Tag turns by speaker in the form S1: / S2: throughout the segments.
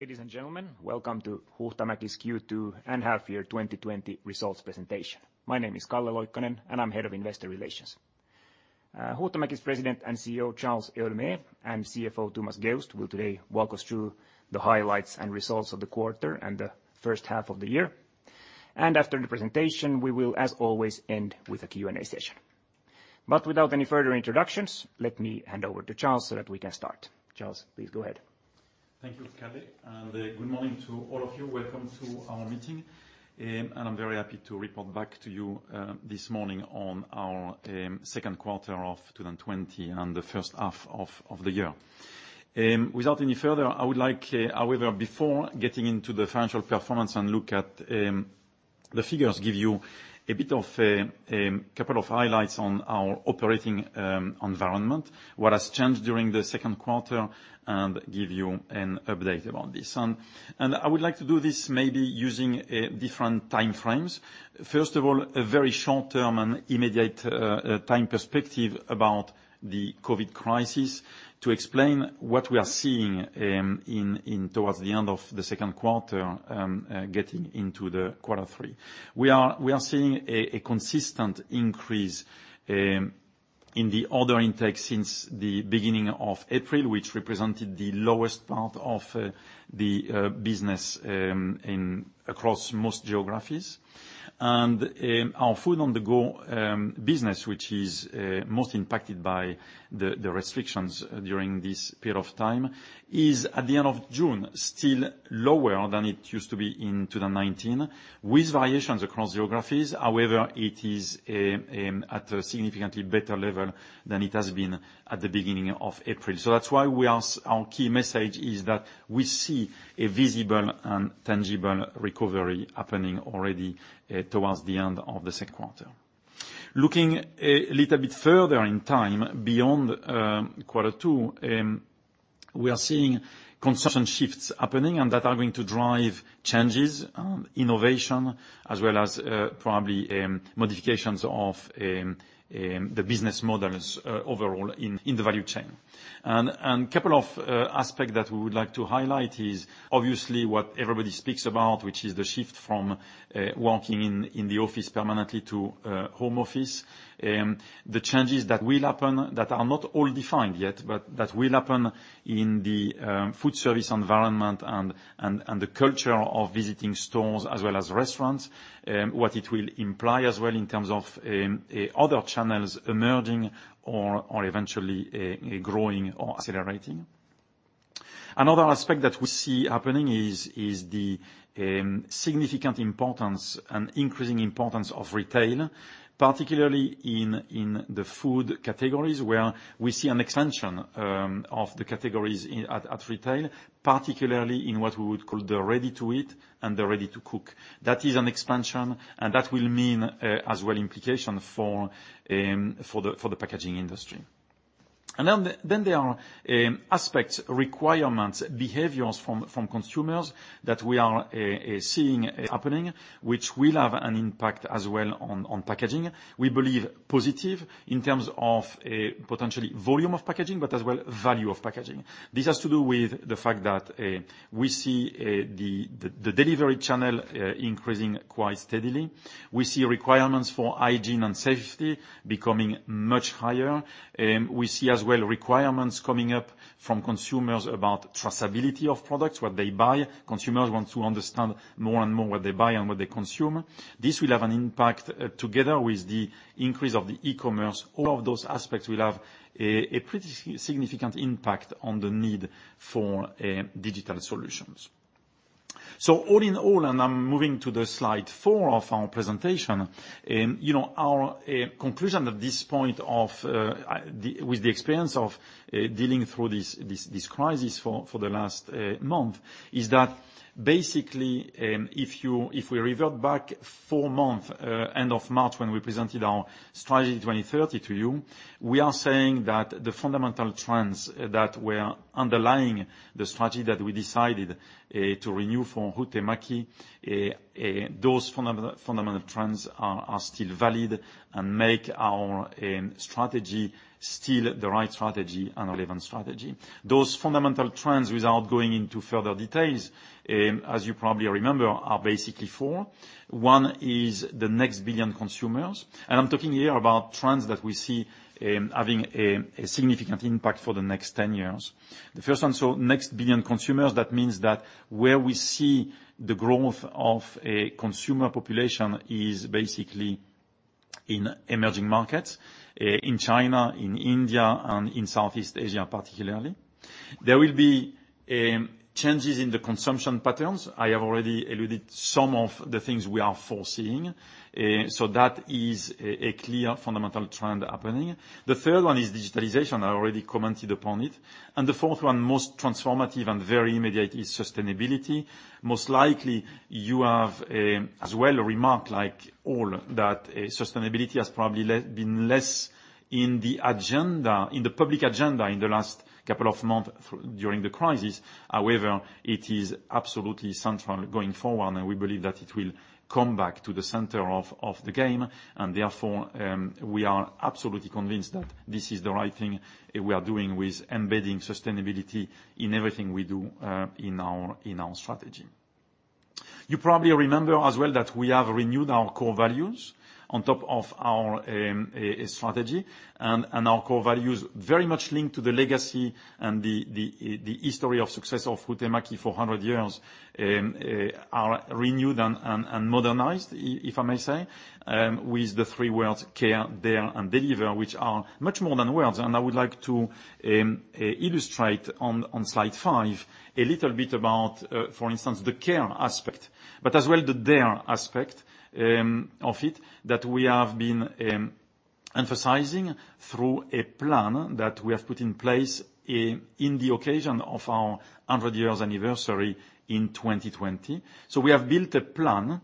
S1: Ladies and gentlemen, welcome to Huhtamäki's Q2 and half-year 2020 results presentation. My name is Calle Loikkanen, and I'm head of investor relations. Huhtamäki's president and CEO, Charles Héaulmé, and CFO, Thomas Geust, will today walk us through the highlights and results of the quarter and the first half of the year. And after the presentation, we will, as always, end with a Q&A session. But without any further introductions, let me hand over to Charles so that we can start. Charles, please go ahead.
S2: Thank you, Calle, and good morning to all of you. Welcome to our meeting, and I'm very happy to report back to you this morning on our second quarter of 2020 and the first half of the year. Without any further, I would like, however, before getting into the financial performance and look at the figures, to give you a bit of a couple of highlights on our operating environment, what has changed during the second quarter, and give you an update about this. And I would like to do this maybe using different time frames. First of all, a very short-term and immediate time perspective about the COVID crisis to explain what we are seeing towards the end of the second quarter, getting into the quarter three. We are seeing a consistent increase in the order intake since the beginning of April, which represented the lowest part of the business across most geographies, and our food-on-the-go business, which is most impacted by the restrictions during this period of time, is at the end of June still lower than it used to be in 2019, with variations across geographies. However, it is at a significantly better level than it has been at the beginning of April, so that's why our key message is that we see a visible and tangible recovery happening already towards the end of the second quarter. Looking a little bit further in time, beyond quarter two, we are seeing consumption shifts happening, and that are going to drive changes, innovation, as well as probably modifications of the business models overall in the value chain. A couple of aspects that we would like to highlight is obviously what everybody speaks about, which is the shift from working in the office permanently to home office. The changes that will happen that are not all defined yet, but that will happen in the food service environment and the culture of visiting stores as well as restaurants, what it will imply as well in terms of other channels emerging or eventually growing or accelerating. Another aspect that we see happening is the significant importance and increasing importance of retail, particularly in the food categories, where we see an expansion of the categories at retail, particularly in what we would call the ready-to-eat and the ready-to-cook. That is an expansion, and that will mean as well implications for the packaging industry. And then there are aspects, requirements, behaviors from consumers that we are seeing happening, which will have an impact as well on packaging. We believe positive in terms of potentially volume of packaging, but as well value of packaging. This has to do with the fact that we see the delivery channel increasing quite steadily. We see requirements for hygiene and safety becoming much higher. We see as well requirements coming up from consumers about traceability of products, what they buy. Consumers want to understand more and more what they buy and what they consume. This will have an impact together with the increase of the e-commerce. All of those aspects will have a pretty significant impact on the need for digital solutions. So all in all, and I'm moving to slide four of our presentation, our conclusion at this point with the experience of dealing through this crisis for the last month is that basically, if we revert back four months, end of March, when we presented our Strategy 2030 to you, we are saying that the fundamental trends that were underlying the strategy that we decided to renew for Huhtamäki, those fundamental trends are still valid and make our strategy still the right strategy and relevant strategy. Those fundamental trends, without going into further details, as you probably remember, are basically four. One is the next billion consumers, and I'm talking here about trends that we see having a significant impact for the next 10 years. The first one, so next billion consumers, that means that where we see the growth of a consumer population is basically in emerging markets, in China, in India, and in Southeast Asia particularly. There will be changes in the consumption patterns. I have already alluded to some of the things we are foreseeing, so that is a clear fundamental trend happening. The third one is digitalization. I already commented upon it, and the fourth one, most transformative and very immediate, is sustainability. Most likely, you have as well a remark like all that sustainability has probably been less in the public agenda in the last couple of months during the crisis. However, it is absolutely central going forward, and we believe that it will come back to the center of the game. Therefore, we are absolutely convinced that this is the right thing we are doing with embedding sustainability in everything we do in our strategy. You probably remember as well that we have renewed our core values on top of our strategy. Our core values, very much linked to the legacy and the history of success of Huhtamäki for 100 years, are renewed and modernized, if I may say, with the three words, Care, Dare, and Deliver, which are much more than words. I would like to illustrate on slide five a little bit about, for instance, the care aspect, but as well the dare aspect of it that we have been emphasizing through a plan that we have put in place in the occasion of our 100-year anniversary in 2020. So we have built a plan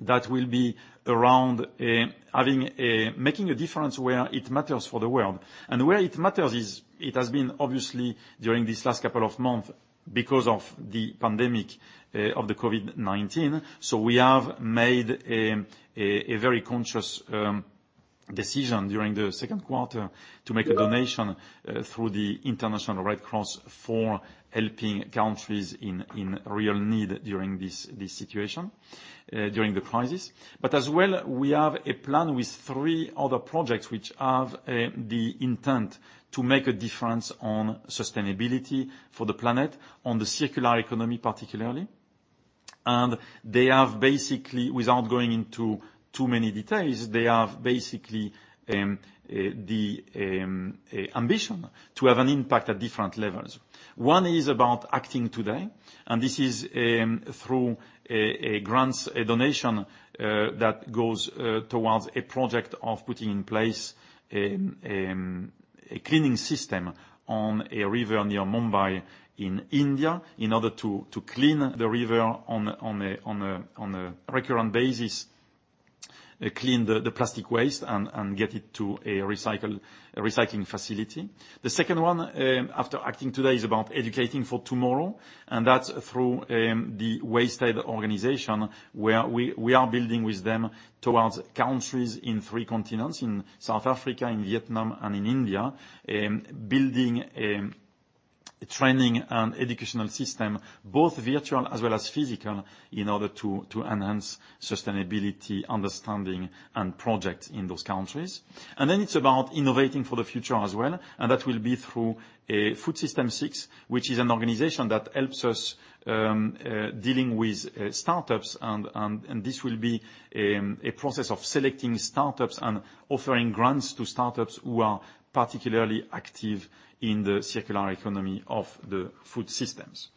S2: that will be around making a difference where it matters for the world. And where it matters is it has been obviously during this last couple of months because of the pandemic of the COVID-19. So we have made a very conscious decision during the second quarter to make a donation through the International Red Cross for helping countries in real need during this situation, during the crisis. But as well, we have a plan with three other projects which have the intent to make a difference on sustainability for the planet, on the circular economy particularly. And they have basically, without going into too many details, they have basically the ambition to have an impact at different levels. One is about acting today, and this is through a grant, a donation that goes towards a project of putting in place a cleaning system on a river near Mumbai in India in order to clean the river on a recurrent basis, clean the plastic waste, and get it to a recycling facility. The second one, after acting today, is about educating for tomorrow, and that's through the WasteAid organization, where we are building with them towards countries in three continents: in South Africa, in Vietnam, and in India, building a training and educational system, both virtual as well as physical, in order to enhance sustainability, understanding, and projects in those countries. And then it's about innovating for the future as well, and that will be through Food System 6, which is an organization that helps us dealing with startups. This will be a process of selecting startups and offering grants to startups who are particularly active in the circular economy of the food systems.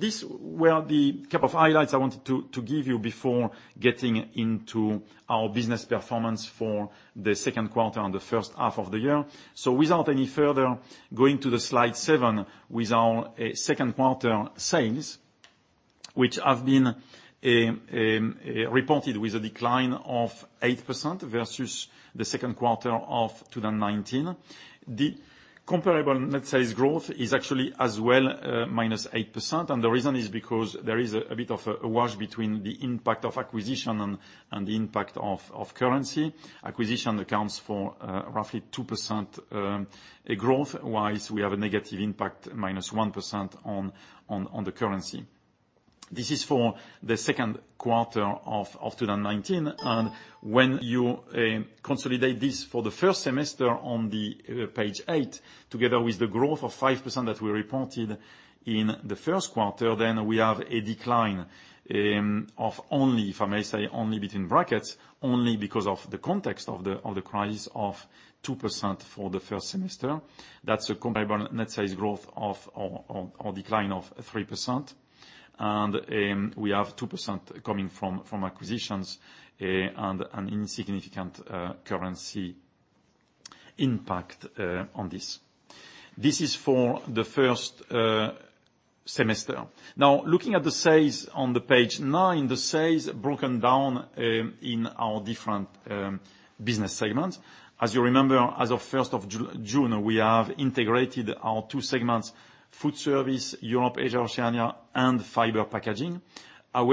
S2: These were the couple of highlights I wanted to give you before getting into our business performance for the second quarter and the first half of the year. Without any further going to the slide seven with our second quarter sales, which have been reported with a decline of 8% versus the second quarter of 2019. The comparable net sales growth is actually as well minus 8%. The reason is because there is a bit of a wash between the impact of acquisition and the impact of currency. Acquisition accounts for roughly 2% growth, while we have a negative impact, minus 1% on the currency. This is for the second quarter of 2019. When you consolidate this for the first semester on page eight, together with the growth of 5% that we reported in the first quarter, then we have a decline of only, if I may say, only between brackets, only because of the context of the crisis of 2% for the first semester. That's a comparable net sales growth or decline of 3%. And we have 2% coming from acquisitions and an insignificant currency impact on this. This is for the first semester. Now, looking at the sales on page nine, the sales broken down in our different business segments. As you remember, as of 1st of June, we have integrated our two segments: foodservice, Europe, Asia, Oceania, and fiber packaging. And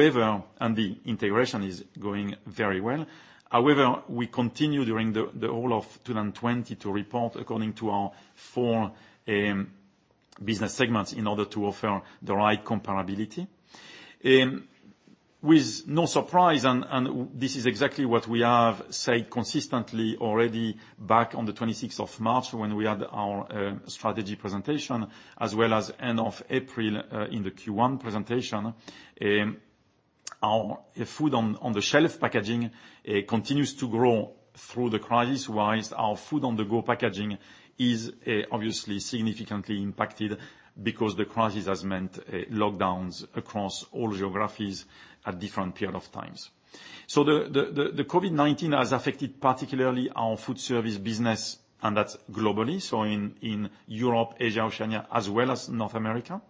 S2: the integration is going very well. However, we continue during the whole of 2020 to report according to our four business segments in order to offer the right comparability. With no surprise, and this is exactly what we have said consistently already back on the 26th of March when we had our strategy presentation, as well as end of April in the Q1 presentation, our food-on-the-shelf packaging continues to grow through the crisis, while our food-on-the-go packaging is obviously significantly impacted because the crisis has meant lockdowns across all geographies at different periods of times. So the COVID-19 has affected particularly our food service business, and that's globally. So in Europe, Asia, Oceania, as well as North America.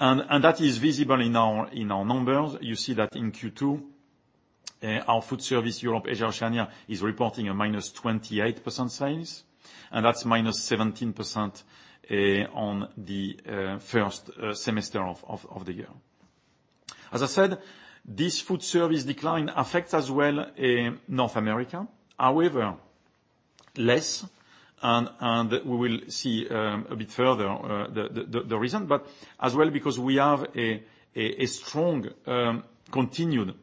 S2: And that is visible in our numbers. You see that in Q2, our food service, Europe, Asia, Oceania, is reporting a -28% sales, and that's -17% on the first semester of the year. As I said, this food service decline affects as well North America. However, less, and we will see a bit further the reason, but as well because we have a strong continued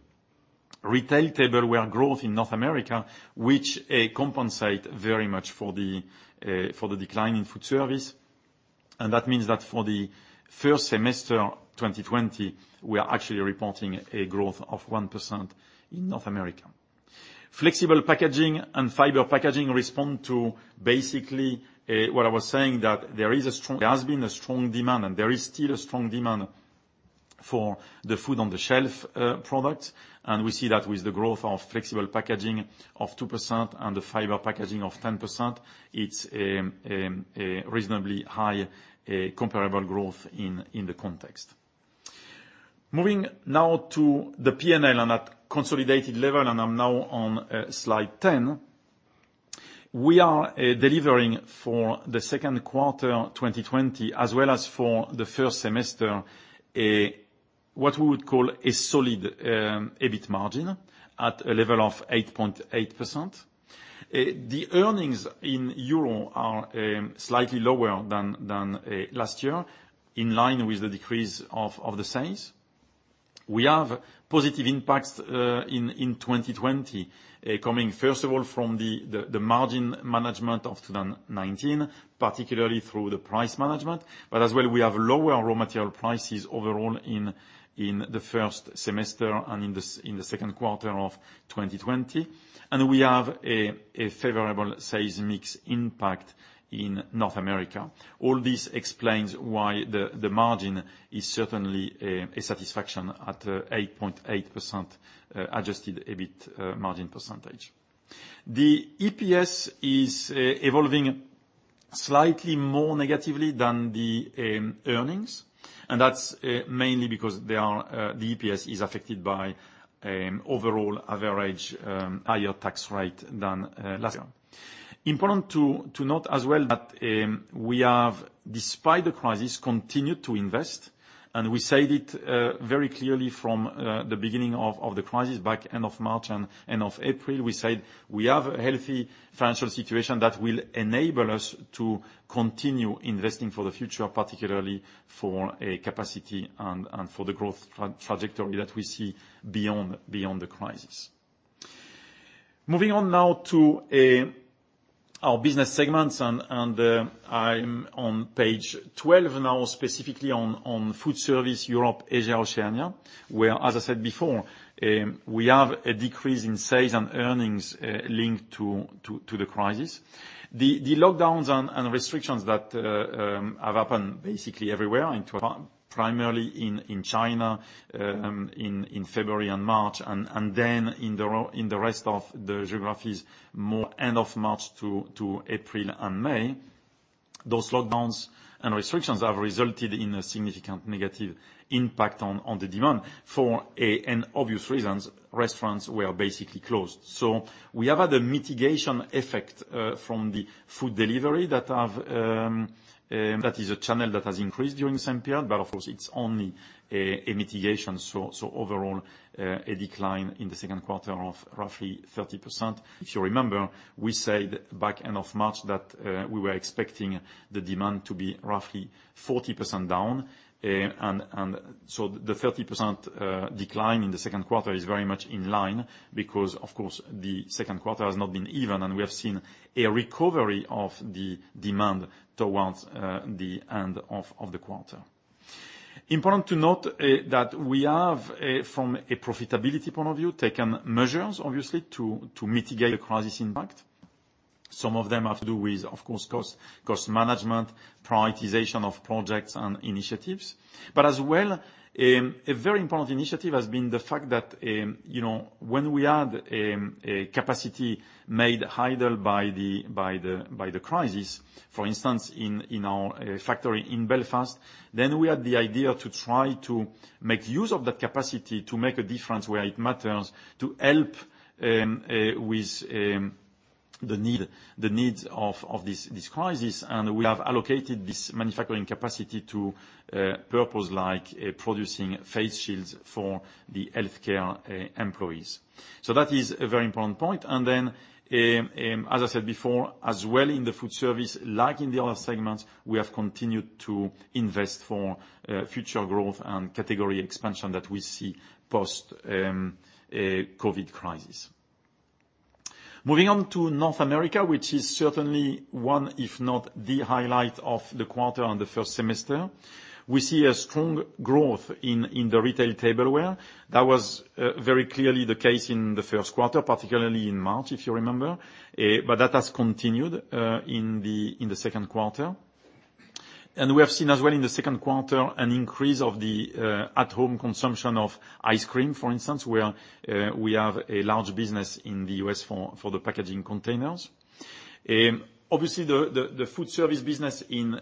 S2: retail tableware growth in North America, which compensates very much for the decline in food service, and that means that for the first semester 2020, we are actually reporting a growth of 1% in North America. Flexible packaging and fiber packaging respond to basically what I was saying, that there has been a strong demand, and there is still a strong demand for the food-on-the-shelf products, and we see that with the growth of flexible packaging of 2% and the fiber packaging of 10%. It's a reasonably high comparable growth in the context. Moving now to the P&L on that consolidated level, and I'm now on slide 10. We are delivering for the second quarter 2020, as well as for the first semester, what we would call a solid EBIT margin at a level of 8.8%. The earnings in euro are slightly lower than last year, in line with the decrease of the sales. We have positive impacts in 2020 coming, first of all, from the margin management of 2019, particularly through the price management. But as well, we have lower raw material prices overall in the first semester and in the second quarter of 2020. And we have a favorable sales mix impact in North America. All this explains why the margin is certainly a satisfaction at 8.8% adjusted EBIT margin percentage. The EPS is evolving slightly more negatively than the earnings, and that's mainly because the EPS is affected by overall average higher tax rate than last year. Important to note as well that we have, despite the crisis, continued to invest, and we said it very clearly from the beginning of the crisis, back end of March and end of April. We said we have a healthy financial situation that will enable us to continue investing for the future, particularly for capacity and for the growth trajectory that we see beyond the crisis. Moving on now to our business segments, and I'm on page 12 now, specifically on food service, Europe, Asia, Oceania, where, as I said before, we have a decrease in sales and earnings linked to the crisis. The lockdowns and restrictions that have happened basically everywhere. Primarily in China in February and March, and then in the rest of the geographies more end of March to April and May. Those lockdowns and restrictions have resulted in a significant negative impact on the demand for obvious reasons. Restaurants were basically closed. So we have had a mitigation effect from the food delivery that is a channel that has increased during the same period, but of course, it's only a mitigation. So overall, a decline in the second quarter of roughly 30%. If you remember, we said back end of March that we were expecting the demand to be roughly 40% down. And so the 30% decline in the second quarter is very much in line because, of course, the second quarter has not been even, and we have seen a recovery of the demand towards the end of the quarter. Important to note that we have, from a profitability point of view, taken measures, obviously, to mitigate the crisis impact. Some of them have to do with, of course, cost management, prioritization of projects and initiatives, but as well, a very important initiative has been the fact that when we had a capacity made idle by the crisis, for instance, in our factory in Belfast, then we had the idea to try to make use of that capacity to make a difference where it matters to help with the needs of this crisis, and we have allocated this manufacturing capacity to purpose like producing face shields for the healthcare employees, so that is a very important point, and then, as I said before, as well in the food service, like in the other segments, we have continued to invest for future growth and category expansion that we see post-COVID crisis. Moving on to North America, which is certainly one, if not the highlight of the quarter and the first semester. We see a strong growth in the retail tableware. That was very clearly the case in the first quarter, particularly in March, if you remember, but that has continued in the second quarter, and we have seen as well in the second quarter an increase of the at-home consumption of ice cream, for instance, where we have a large business in the U.S. for the packaging containers. Obviously, the food service business in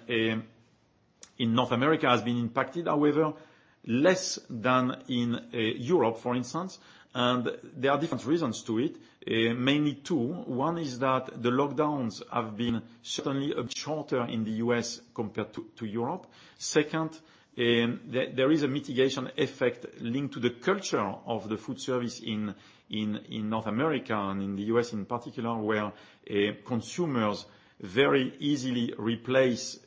S2: North America has been impacted, however, less than in Europe, for instance, and there are different reasons to it, mainly two. One is that the lockdowns have been certainly shorter in the U.S. compared to Europe. Second, there is a mitigation effect linked to the culture of the food service in North America and in the US in particular, where consumers very easily replace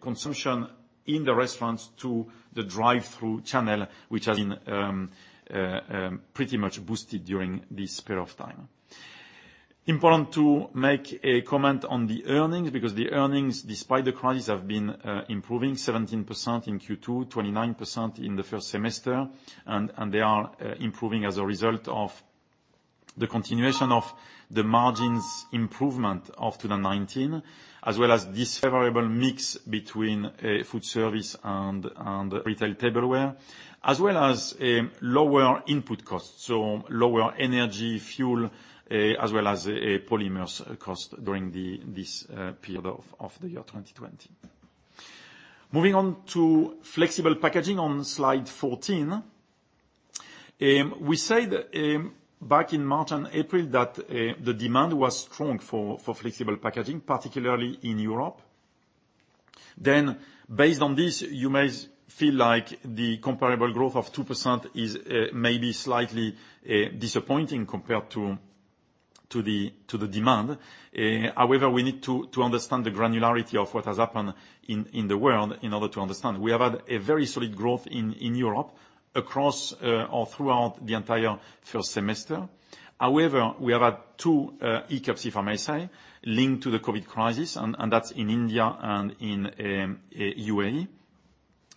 S2: consumption in the restaurants to the drive-thru channel, which has been pretty much boosted during this period of time. Important to make a comment on the earnings because the earnings, despite the crisis, have been improving: 17% in Q2, 29% in the first semester. And they are improving as a result of the continuation of the margins' improvement of 2019, as well as this favorable mix between food service and retail tableware, as well as lower input costs. So lower energy, fuel, as well as polymers cost during this period of the year 2020. Moving on to flexible packaging on slide 14. We said back in March and April that the demand was strong for flexible packaging, particularly in Europe. Then, based on this, you may feel like the comparable growth of 2% is maybe slightly disappointing compared to the demand. However, we need to understand the granularity of what has happened in the world in order to understand. We have had a very solid growth in Europe across or throughout the entire first semester. However, we have had two hiccups, if I may say, linked to the COVID crisis, and that's in India and in the UAE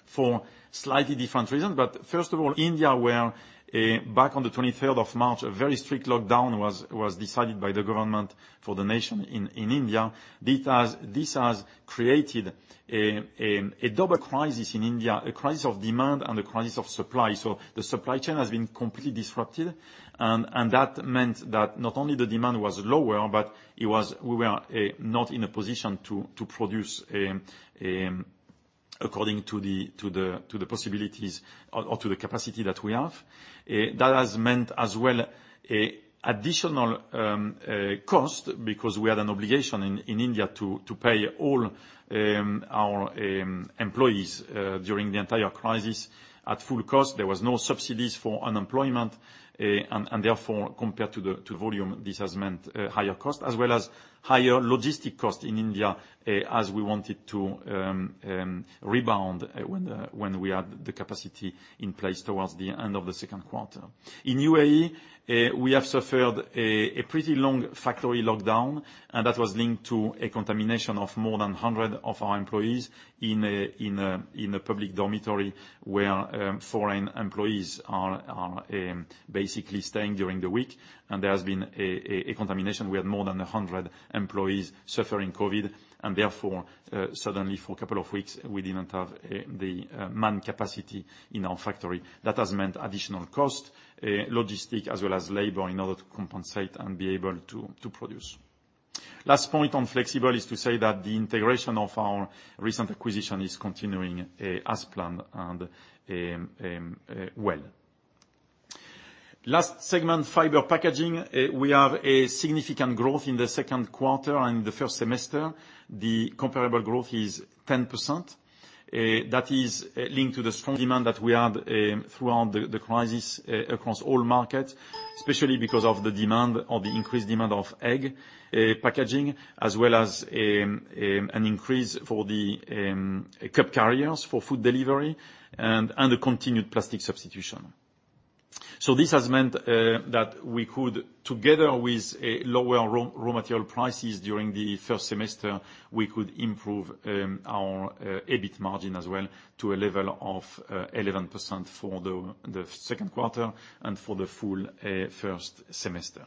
S2: for slightly different reasons. But first of all, India, where back on the 23rd of March, a very strict lockdown was decided by the government for the nation in India, this has created a double crisis in India: a crisis of demand and a crisis of supply. So the supply chain has been completely disrupted. That meant that not only the demand was lower, but we were not in a position to produce according to the possibilities or to the capacity that we have. That has meant as well additional cost because we had an obligation in India to pay all our employees during the entire crisis at full cost. There were no subsidies for unemployment. And therefore, compared to the volume, this has meant higher costs, as well as higher logistic costs in India, as we wanted to rebound when we had the capacity in place towards the end of the second quarter. In UAE, we have suffered a pretty long factory lockdown, and that was linked to a contamination of more than 100 of our employees in a public dormitory where foreign employees are basically staying during the week. And there has been a contamination. We had more than 100 employees suffering COVID, and therefore, suddenly, for a couple of weeks, we didn't have the manpower capacity in our factory. That has meant additional cost, logistics, as well as labor in order to compensate and be able to produce. Last point on flexible is to say that the integration of our recent acquisition is continuing as planned and well. Last segment, fiber packaging. We have a significant growth in the second quarter and in the first semester. The comparable growth is 10%. That is linked to the strong demand that we had throughout the crisis across all markets, especially because of the demand or the increased demand of egg packaging, as well as an increase for the cup carriers for food delivery and the continued plastic substitution. So this has meant that we could, together with lower raw material prices during the first semester, we could improve our EBIT margin as well to a level of 11% for the second quarter and for the full first semester.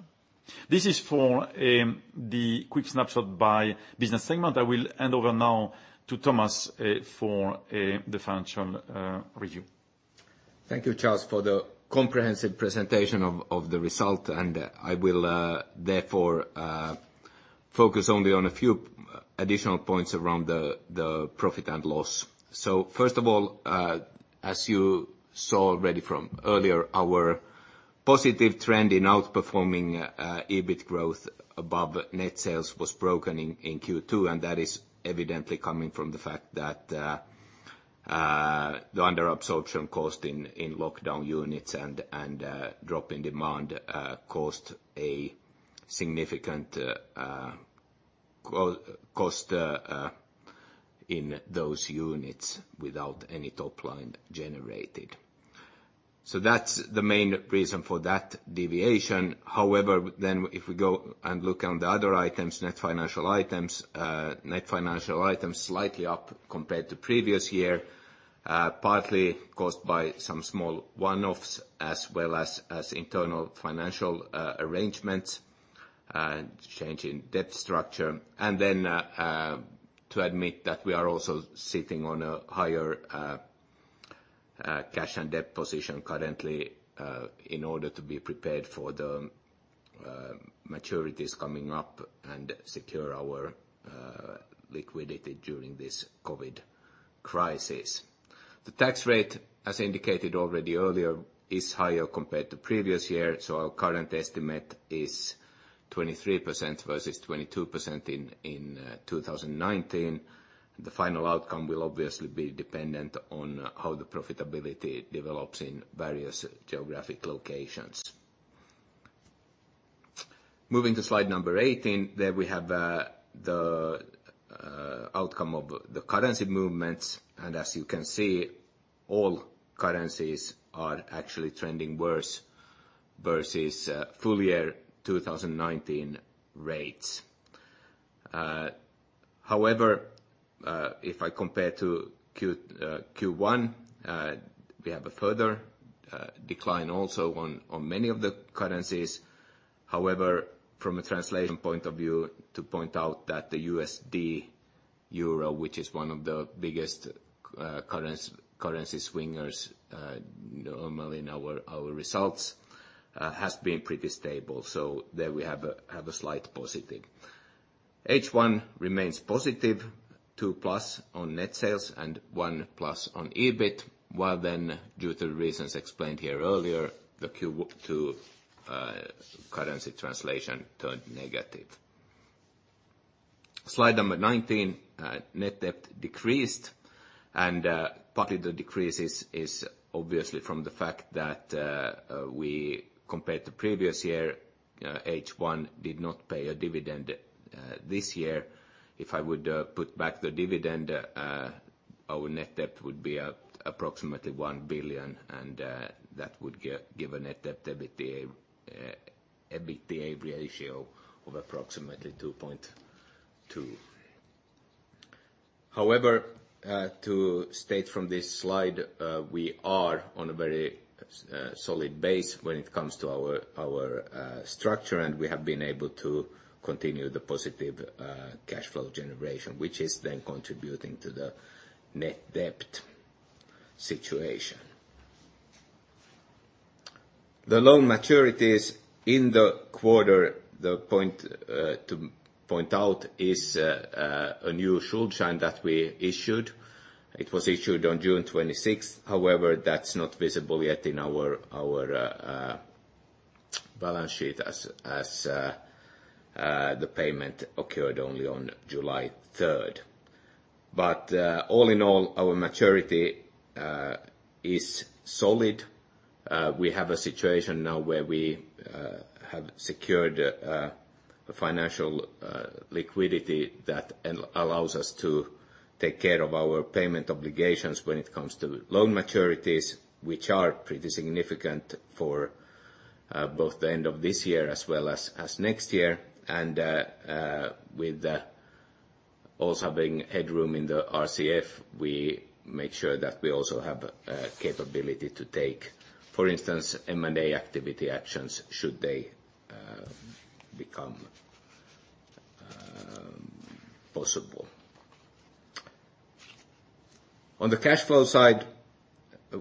S2: This is for the quick snapshot by business segment. I will hand over now to Thomas for the financial review. Thank you, Charles, for the comprehensive presentation of the result. And I will therefore focus only on a few additional points around the profit and loss. So first of all, as you saw already from earlier, our positive trend in outperforming EBIT growth above net sales was broken in Q2. And that is evidently coming from the fact that the underabsorption cost in lockdown units and drop in demand caused a significant cost in those units without any top line generated. So that's the main reason for that deviation. However, then if we go and look on the other items, net financial items, net financial items slightly up compared to previous year, partly caused by some small one-offs as well as internal financial arrangements, change in debt structure, and then to admit that we are also sitting on a higher cash and debt position currently in order to be prepared for the maturities coming up and secure our liquidity during this COVID crisis. The tax rate, as indicated already earlier, is higher compared to previous year, so our current estimate is 23% versus 22% in 2019. The final outcome will obviously be dependent on how the profitability develops in various geographic locations. Moving to slide number 18, there we have the outcome of the currency movements, and as you can see, all currencies are actually trending worse versus full year 2019 rates. However, if I compare to Q1, we have a further decline also on many of the currencies. However, from a translation point of view, to point out that the USD/EUR, which is one of the biggest currency swingers normally in our results, has been pretty stable. So there we have a slight positive. H1 remains positive, +2% on net sales and +1% on EBIT, while then, due to the reasons explained here earlier, the Q2 currency translation turned negative. Slide number 19, net debt decreased. And partly the decrease is obviously from the fact that we compared to previous year, H1 did not pay a dividend this year. If I would put back the dividend, our net debt would be approximately 1 billion, and that would give a net debt/EBITDA ratio of approximately 2.2. However, to state from this slide, we are on a very solid base when it comes to our structure, and we have been able to continue the positive cash flow generation, which is then contributing to the net debt situation. The loan maturities in the quarter, the point to point out is a new Schuldschein that we issued. It was issued on June 26th. However, that's not visible yet in our balance sheet as the payment occurred only on July 3rd. But all in all, our maturity is solid. We have a situation now where we have secured financial liquidity that allows us to take care of our payment obligations when it comes to loan maturities, which are pretty significant for both the end of this year as well as next year. And with also having headroom in the RCF, we make sure that we also have capability to take, for instance, M&A activity actions should they become possible. On the cash flow side,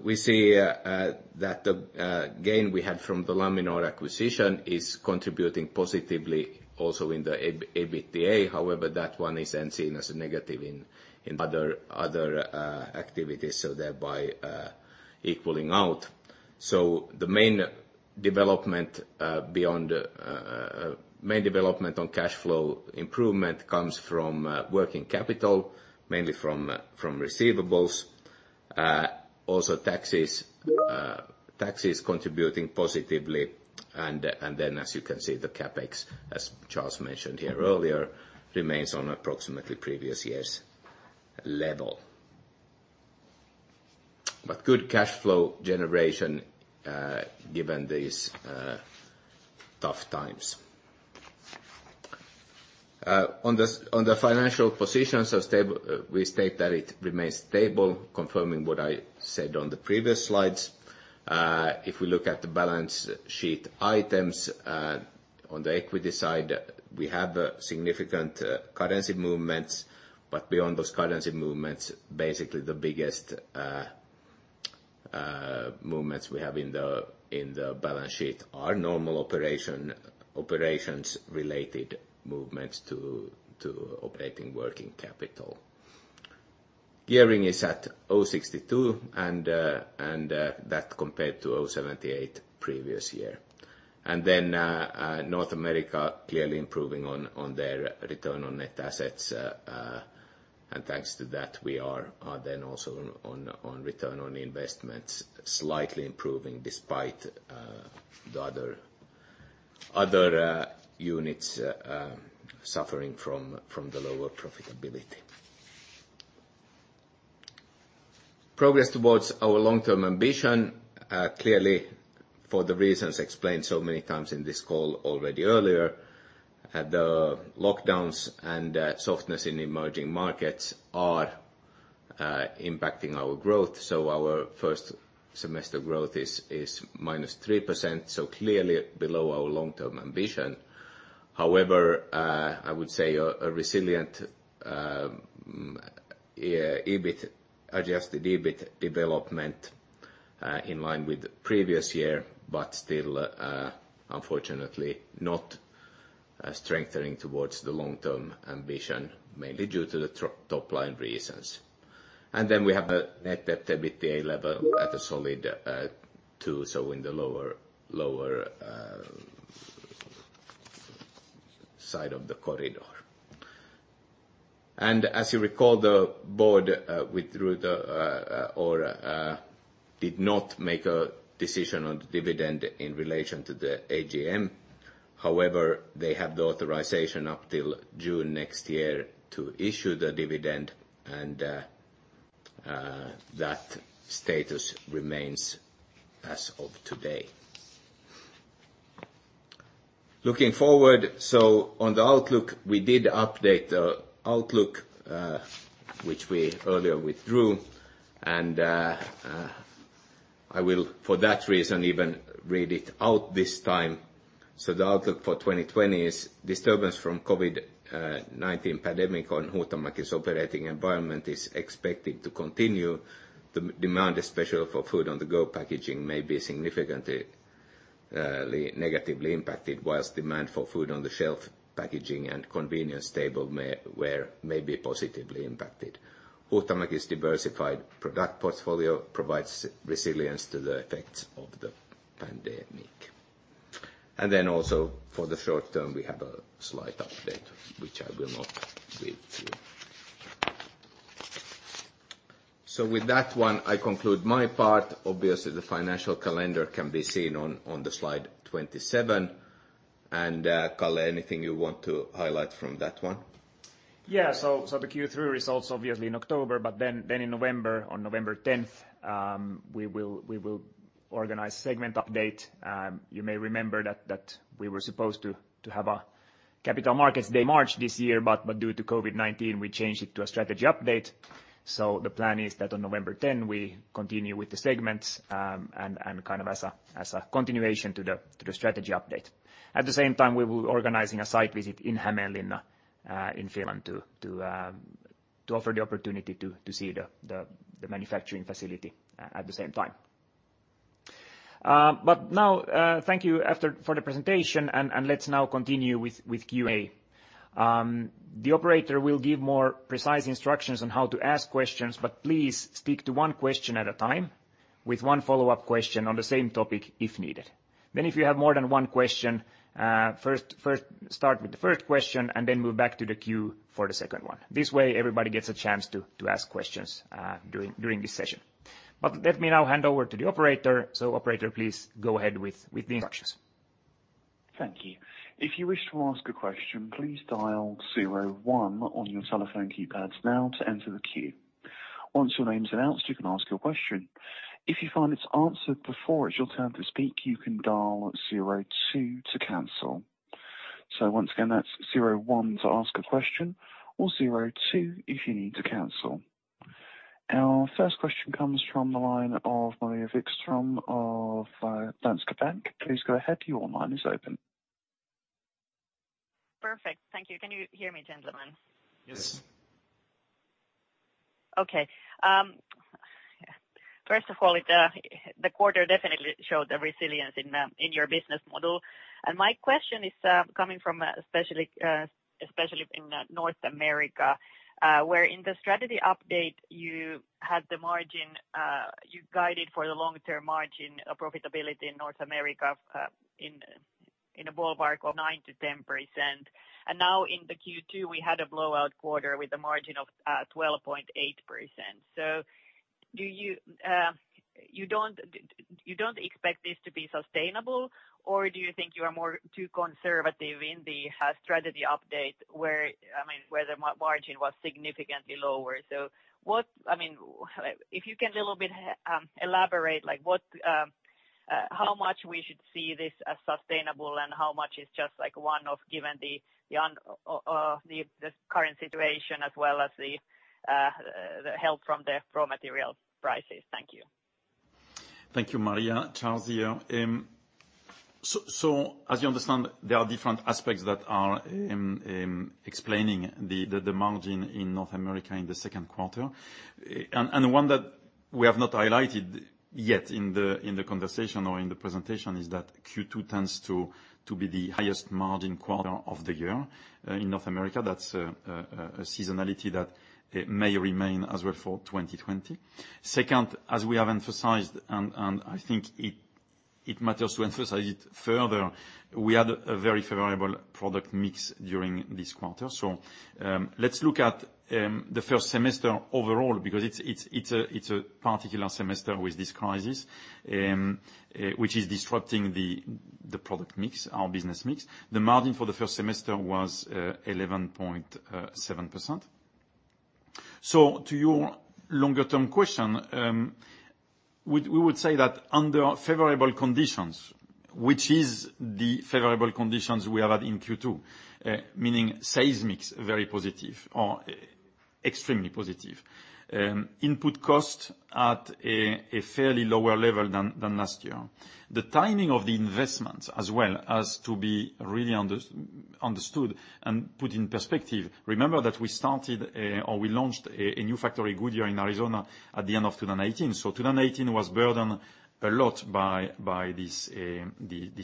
S2: we see that the gain we had from the Laminar acquisition is contributing positively also in the EBITDA. However, that one is then seen as a negative in other activities, so thereby equaling out. So the main development on cash flow improvement comes from working capital, mainly from receivables, also taxes contributing positively. And then, as you can see, the CapEx, as Charles mentioned here earlier, remains on approximately previous year's level. But good cash flow generation given these tough times. On the financial positions, we state that it remains stable, confirming what I said on the previous slides. If we look at the balance sheet items on the equity side, we have significant currency movements. But beyond those currency movements, basically the biggest movements we have in the balance sheet are normal operations-related movements to operating working capital. Gearing is at 0.62, and that compared to 0.78 previous year. And then North America clearly improving on their return on net assets. And thanks to that, we are then also on return on investments, slightly improving despite the other units suffering from the lower profitability. Progress towards our long-term ambition, clearly for the reasons explained so many times in this call already earlier, the lockdowns and softness in emerging markets are impacting our growth. So our first semester growth is -3%, so clearly below our long-term ambition. However, I would say a resilient EBIT, adjusted EBIT development in line with previous year, but still, unfortunately, not strengthening towards the long-term ambition, mainly due to the top line reasons. And then we have a net debt/EBITDA level at a solid 2, so in the lower side of the corridor. And as you recall, the board withdrew or did not make a decision on the dividend in relation to the AGM. However, they have the authorization up till June next year to issue the dividend, and that status remains as of today. Looking forward, so on the outlook, we did update the outlook, which we earlier withdrew. And I will, for that reason, even read it out this time. So the outlook for 2020 is disturbance from COVID-19 pandemic on Huhtamäki's operating environment is expected to continue. The demand, especially for food on the go packaging, may be significantly negatively impacted, while demand for food on the shelf packaging and convenience tableware may be positively impacted. Huhtamäki's diversified product portfolio provides resilience to the effects of the pandemic. Then also for the short term, we have a slight update, which I will not read to you. With that one, I conclude my part. Obviously, the financial calendar can be seen on the slide 27. Calle, anything you want to highlight from that one? Yeah. The Q3 results, obviously, in October, but then in November, on November 10th, we will organize a segment update. You may remember that we were supposed to have a Capital Markets Day March this year, but due to COVID-19, we changed it to a strategy update. The plan is that on November 10, we continue with the segments and kind of as a continuation to the strategy update. At the same time, we will be organizing a site visit in Hämeenlinna in Finland to offer the opportunity to see the manufacturing facility at the same time. But now, thank you for the presentation, and let's now continue with Q&A. The operator will give more precise instructions on how to ask questions, but please stick to one question at a time with one follow-up question on the same topic if needed. Then if you have more than one question, first start with the first question and then move back to the queue for the second one. This way, everybody gets a chance to ask questions during this session. But let me now hand over to the operator. Operator, please go ahead with the instructions. Thank you. If you wish to ask a question, please dial 01 on your telephone keypad now to enter the queue. Once your name is announced, you can ask your question. If you find it's answered before it's your turn to speak, you can dial 02 to cancel. So once again, that's 01 to ask a question or 02 if you need to cancel. Our first question comes from the line of Maria Wikström of Danske Bank. Please go ahead. Your line is open. Perfect. Thank you. Can you hear me, gentlemen? Yes. Okay. First of all, the quarter definitely showed the resilience in your business model. And my question is coming from especially in North America, where in the strategy update, you had the margin you guided for the long-term margin profitability in North America in a ballpark of 9%-10%. Now in the Q2, we had a blowout quarter with a margin of 12.8%. So you don't expect this to be sustainable, or do you think you are more too conservative in the strategy update where the margin was significantly lower? So I mean, if you can a little bit elaborate, how much we should see this as sustainable and how much is just one-off given the current situation as well as the help from the raw material prices. Thank you. Thank you, Maria. Charles. So as you understand, there are different aspects that are explaining the margin in North America in the second quarter. And one that we have not highlighted yet in the conversation or in the presentation is that Q2 tends to be the highest margin quarter of the year in North America. That's a seasonality that may remain as well for 2020. Second, as we have emphasized, and I think it matters to emphasize it further, we had a very favorable product mix during this quarter, so let's look at the first semester overall because it's a particular semester with this crisis, which is disrupting the product mix, our business mix. The margin for the first semester was 11.7%, so to your longer-term question, we would say that under favorable conditions, which is the favorable conditions we have had in Q2, meaning sales mix very positive or extremely positive, input cost at a fairly lower level than last year. The timing of the investments as well has to be really understood and put in perspective. Remember that we started or we launched a new factory in Goodyear, Arizona at the end of 2018, so 2018 was burdened a lot by this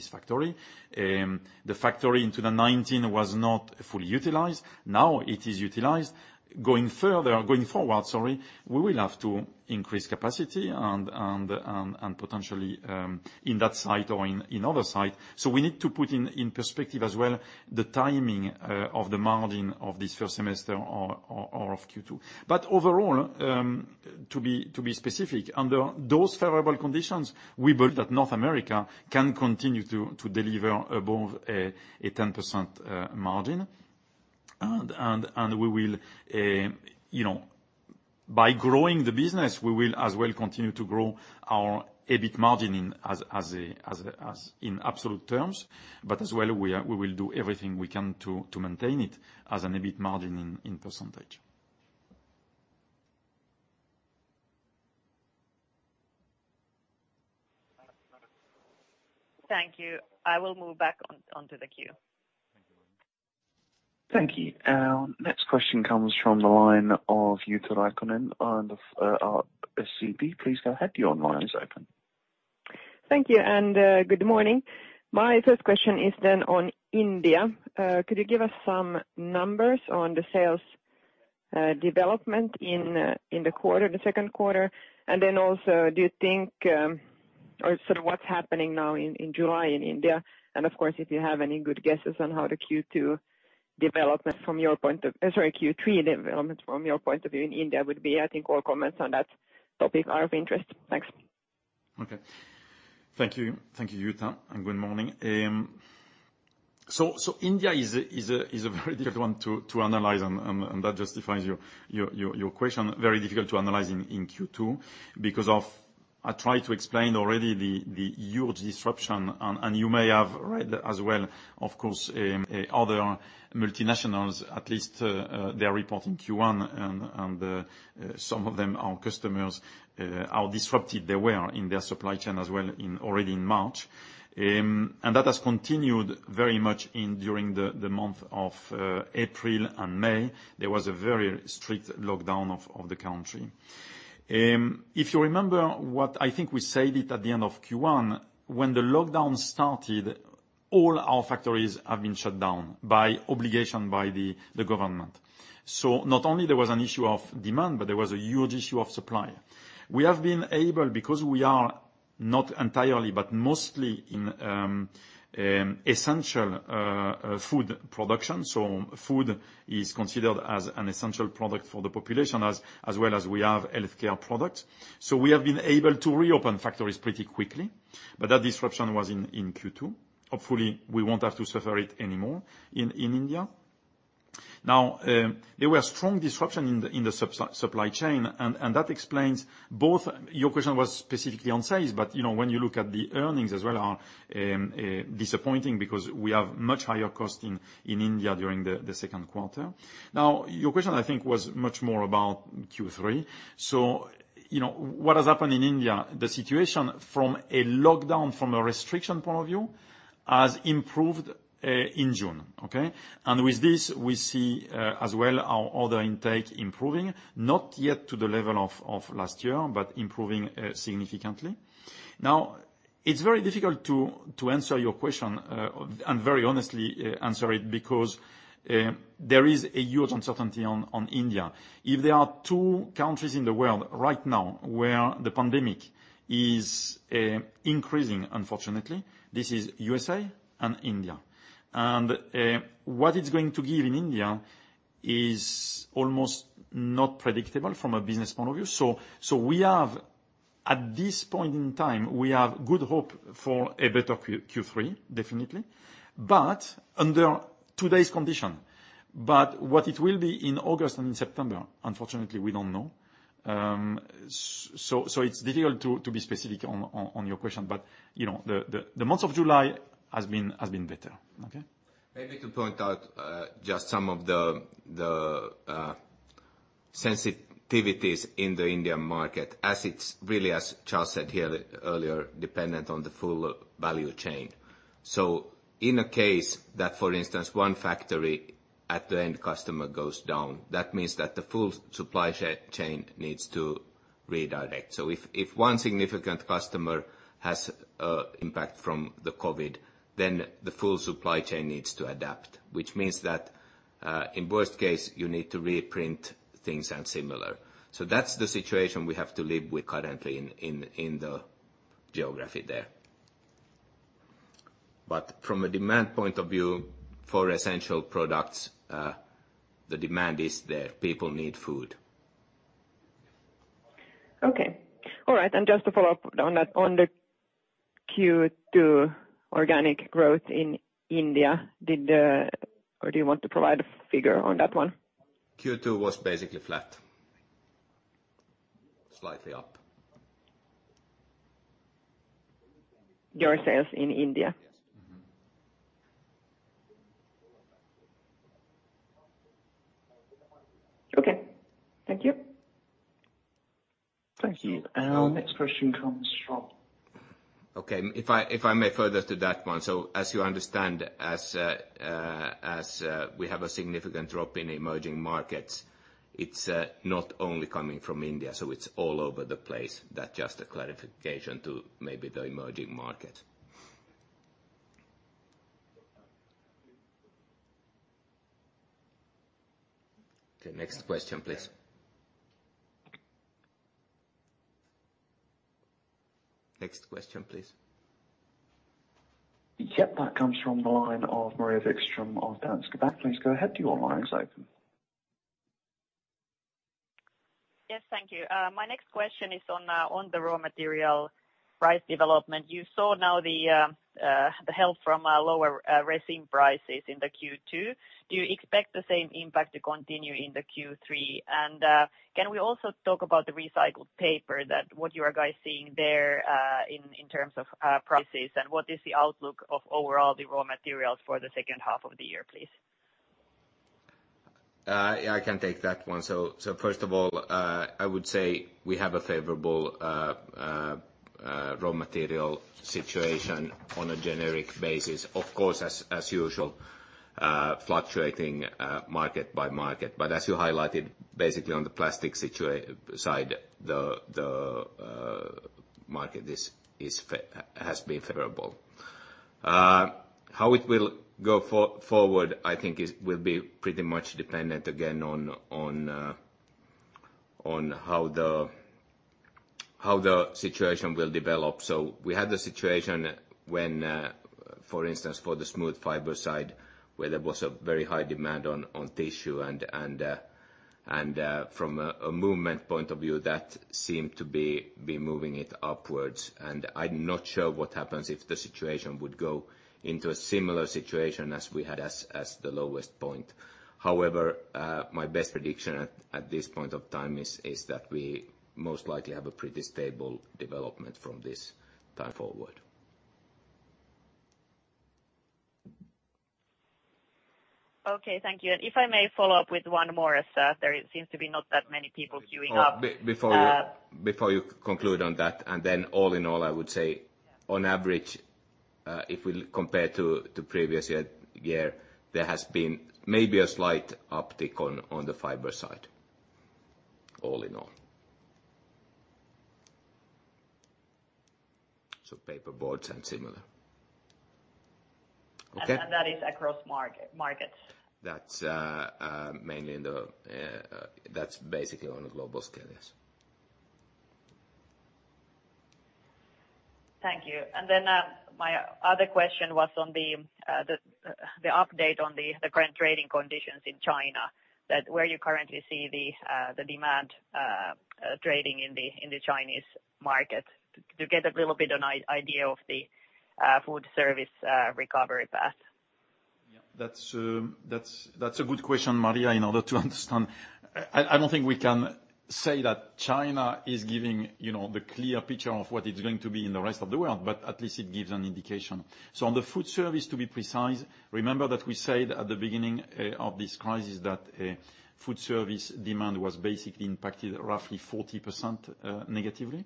S2: factory. The factory in 2019 was not fully utilized. Now it is utilized. Going forward, sorry, we will have to increase capacity and potentially in that site or in other sites. So we need to put in perspective as well the timing of the margin of this first semester or of Q2. But overall, to be specific, under those favorable conditions, we believe that North America can continue to deliver above a 10% margin. And by growing the business, we will as well continue to grow our EBIT margin in absolute terms. But as well, we will do everything we can to maintain it as an EBIT margin in percentage. Thank you. I will move back onto the queue. Thank you. Next question comes from the line of Jutta Rahikainen and SEB. Please go ahead. Your line is open. Thank you. And good morning. My first question is then on India. Could you give us some numbers on the sales development in the quarter, the second quarter? And then also, do you think or sort of what's happening now in July in India? And of course, if you have any good guesses on how the Q2 development from your point of sorry, Q3 development from your point of view in India would be. I think all comments on that topic are of interest. Thanks. Okay. Thank you. Thank you, Jutta. And good morning. So India is a very difficult one to analyze, and that justifies your question. Very difficult to analyze in Q2 because I tried to explain already the huge disruption. And you may have read as well, of course, other multinationals, at least they are reporting Q1, and some of them, our customers, are disrupted. They were in their supply chain as well already in March. That has continued very much during the month of April and May. There was a very strict lockdown of the country. If you remember what I think we said at the end of Q1, when the lockdown started, all our factories have been shut down by obligation by the government. So not only there was an issue of demand, but there was a huge issue of supply. We have been able, because we are not entirely, but mostly in essential food production. So food is considered as an essential product for the population, as well as we have healthcare products. So we have been able to reopen factories pretty quickly, but that disruption was in Q2. Hopefully, we won't have to suffer it anymore in India. Now, there were strong disruptions in the supply chain, and that explains both. Your question was specifically on sales, but when you look at the earnings as well are disappointing because we have much higher costs in India during the second quarter. Now, your question, I think, was much more about Q3. So what has happened in India? The situation from a lockdown, from a restriction point of view, has improved in June. Okay? And with this, we see as well our order intake improving, not yet to the level of last year, but improving significantly. Now, it's very difficult to answer your question and very honestly answer it because there is a huge uncertainty on India. If there are two countries in the world right now where the pandemic is increasing, unfortunately, this is USA and India. And what it's going to give in India is almost not predictable from a business point of view. So at this point in time, we have good hope for a better Q3, definitely, under today's conditions. But what it will be in August and in September, unfortunately, we don't know. So it's difficult to be specific on your question, but the month of July has been better. Okay? Maybe to point out just some of the sensitivities in the Indian market, as it's really, as Charles said here earlier, dependent on the full value chain. So in a case that, for instance, one factory at the end customer goes down, that means that the full supply chain needs to redirect. So if one significant customer has an impact from the COVID, then the full supply chain needs to adapt, which means that in worst case, you need to reprint things and similar. So that's the situation we have to live with currently in the geography there. But from a demand point of view for essential products, the demand is there. People need food. Okay. All right. And just to follow up on the Q2 organic growth in India, did the or do you want to provide a figure on that one? Q2 was basically flat, slightly up. Your sales in India? Yes. Okay. Thank you. Thank you. And our next question comes from. Okay. If I may further to that one. So as you understand, as we have a significant drop in emerging markets, it's not only coming from India. So it's all over the place. That's just a clarification to maybe the emerging market. Okay. Next question, please. Next question, please. Yep. That comes from the line of Maria Wikström of Danske Bank. Please go ahead. Your line is open. Yes. Thank you. My next question is on the raw material price development. You saw now the help from lower resin prices in the Q2. Do you expect the same impact to continue in the Q3? And can we also talk about the recycled paper, what you guys are seeing there in terms of prices, and what is the outlook of overall the raw materials for the second half of the year, please? Yeah. I can take that one. So first of all, I would say we have a favorable raw material situation on a generic basis. Of course, as usual, fluctuating market by market. But as you highlighted, basically on the plastic side, the market has been favorable. How it will go forward, I think, will be pretty much dependent again on how the situation will develop. So we had the situation when, for instance, for the smooth fiber side, where there was a very high demand on tissue. And from a movement point of view, that seemed to be moving it upwards. And I'm not sure what happens if the situation would go into a similar situation as we had as the lowest point. However, my best prediction at this point of time is that we most likely have a pretty stable development from this time forward. Okay. Thank you. And if I may follow up with one more, as there seems to be not that many people queuing up. Before you conclude on that, and then all in all, I would say, on average, if we compare to previous year, there has been maybe a slight uptick on the fiber side, all in all. So paperboards and similar. Okay? And that is across markets? That's mainly in the basically on a global scale, yes. Thank you. And then my other question was on the update on the current trading conditions in China, where you currently see the demand trading in the Chinese market, to get a little bit of an idea of the food service recovery path. Yeah. That's a good question, Maria, in order to understand. I don't think we can say that China is giving the clear picture of what it's going to be in the rest of the world, but at least it gives an indication. So on the food service, to be precise, remember that we said at the beginning of this crisis that food service demand was basically impacted roughly 40% negatively.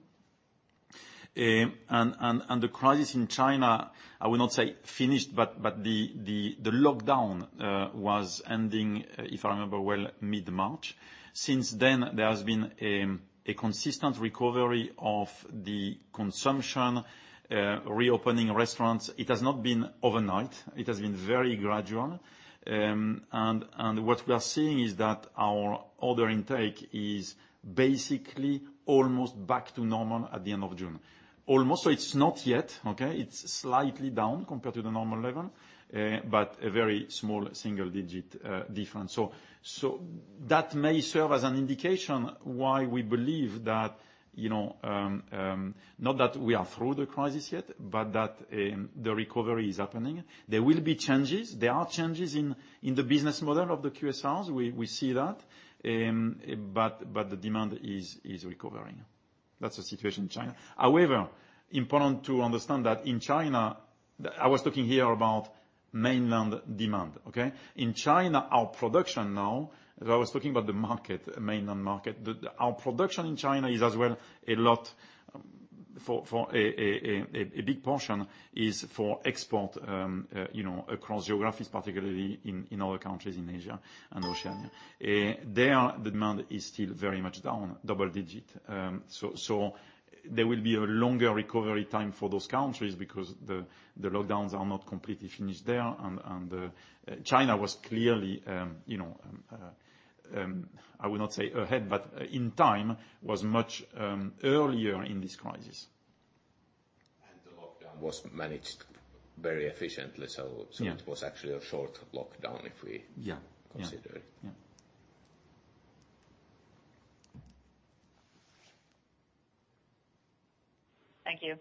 S2: And the crisis in China, I will not say finished, but the lockdown was ending, if I remember well, mid-March. Since then, there has been a consistent recovery of the consumption, reopening restaurants. It has not been overnight. It has been very gradual. And what we are seeing is that our order intake is basically almost back to normal at the end of June. Almost. So it's not yet. Okay? It's slightly down compared to the normal level, but a very small single-digit difference. So that may serve as an indication why we believe that not that we are through the crisis yet, but that the recovery is happening. There will be changes. There are changes in the business model of the QSRs. We see that. But the demand is recovering. That's the situation in China. However, important to understand that in China I was talking here about mainland demand. Okay? In China, our production now as I was talking about the mainland market, our production in China is as well a lot for a big portion is for export across geographies, particularly in other countries in Asia and Oceania. There, the demand is still very much down, double-digit. So there will be a longer recovery time for those countries because the lockdowns are not completely finished there. And China was clearly, I would not say ahead, but in time, was much earlier in this crisis. And the lockdown was managed very efficiently. So it was actually a short lockdown if we consider it. Yeah. Thank you.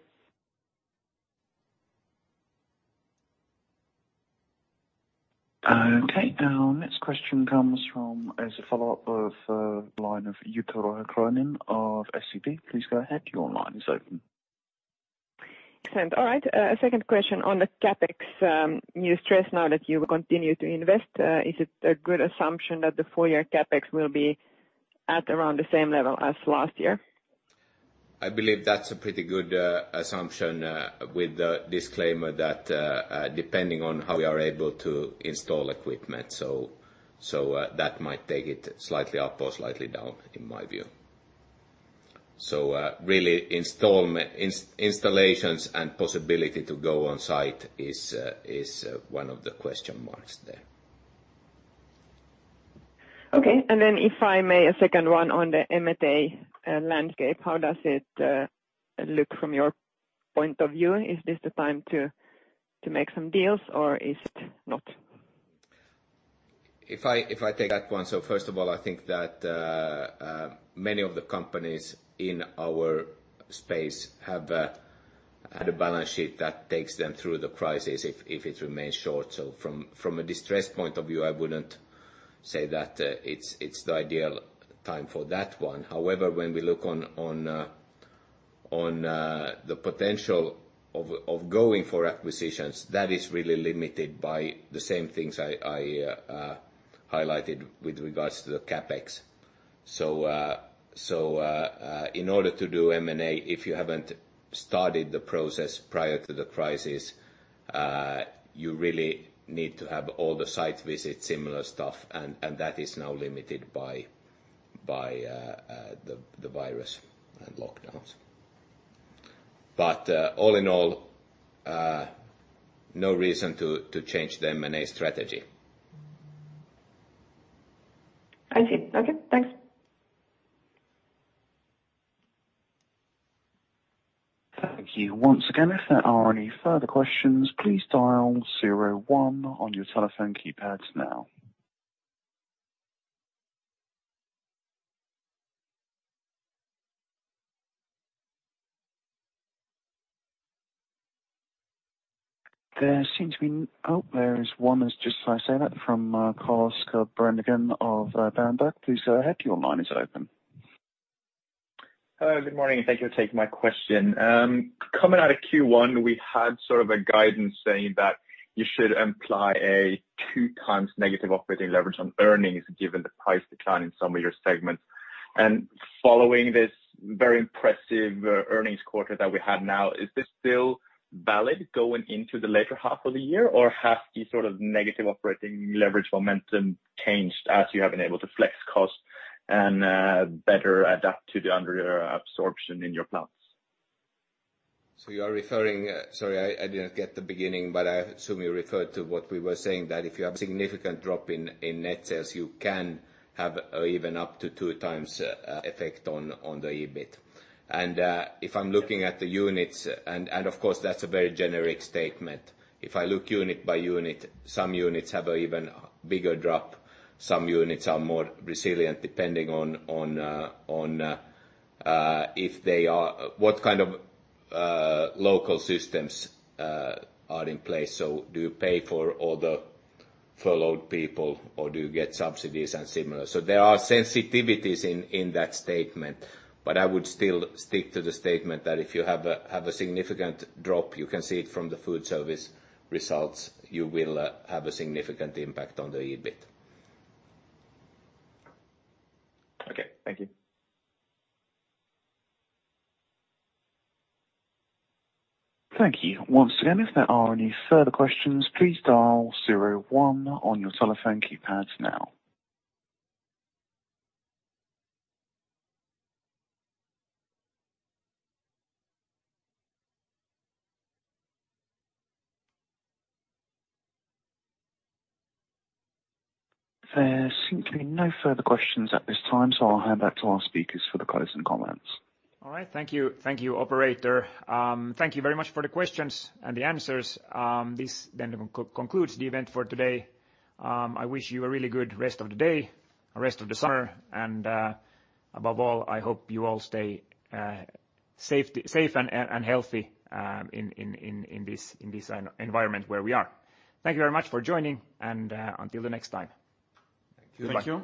S2: Okay. Our next question comes from as a follow-up of the line of Jutta Rahikainen of SEB. Please go ahead. Your line is open. Excellent. All right. A second question on the CapEx. You stressed now that you will continue to invest. Is it a good assumption that the four-year CapEx will be at around the same level as last year? I believe that's a pretty good assumption with the disclaimer that depending on how we are able to install equipment. So that might take it slightly up or slightly down, in my view. So really, installations and possibility to go on site is one of the question marks there. Okay. And then if I may, a second one on the M&A landscape. How does it look from your point of view? Is this the time to make some deals, or is it not? If I take that one, so first of all, I think that many of the companies in our space have a balance sheet that takes them through the crisis if it remains short. So from a distressed point of view, I wouldn't say that it's the ideal time for that one. However, when we look on the potential of going for acquisitions, that is really limited by the same things I highlighted with regards to the CapEx. So in order to do M&A, if you haven't started the process prior to the crisis, you really need to have all the site visits, similar stuff. And that is now limited by the virus and lockdowns. But all in all, no reason to change the M&A strategy. I see. Okay. Thanks. Thank you once again. If there are any further questions, please dial 01 on your telephone keypad now. There seems to be, oh, there is one. Just as I say that, from Carl-Oscar Bredengen of Berenberg. Please go ahead. Your line is open. Hello. Good morning. Thank you for taking my question. Coming out of Q1, we had sort of a guidance saying that you should imply a two-times negative operating leverage on earnings given the price decline in some of your segments. And following this very impressive earnings quarter that we have now, is this still valid going into the later half of the year, or has the sort of negative operating leverage momentum changed as you have been able to flex cost and better adapt to the under absorption in your plants? So, you are referring, sorry. I didn't get the beginning, but I assume you referred to what we were saying, that if you have a significant drop in net sales, you can have even up to two-times effect on the EBIT. And if I'm looking at the units and, of course, that's a very generic statement. If I look unit by unit, some units have an even bigger drop. Some units are more resilient depending on if they are what kind of local systems are in place. So, do you pay for all the furloughed people, or do you get subsidies and similar? So, there are sensitivities in that statement, but I would still stick to the statement that if you have a significant drop, you can see it from the food service results. You will have a significant impact on the EBIT. Okay. Thank you. Thank you once again. If there are any further questions, please dial 01 on your telephone keypad now. There seem to be no further questions at this time, so I'll hand back to our speakers for the closing comments. All right. Thank you. Thank you, operator. Thank you very much for the questions and the answers. This then concludes the event for today. I wish you a really good rest of the day, a rest of the summer, and above all, I hope you all stay safe and healthy in this environment where we are. Thank you very much for joining, and until the next time. Thank you. Thank you.